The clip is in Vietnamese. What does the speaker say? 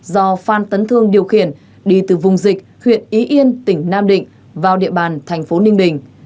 do phan tấn thương điều khiển đi từ vùng dịch huyện ý yên tỉnh nam định vào địa bàn thành phố ninh bình